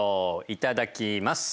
いただきます！